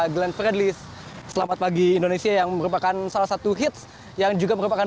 glenn fredly selamat pagi indonesia yang merupakan salah satu hits yang juga merupakan